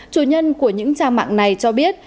chủ nhân của những trang mạng này cho biết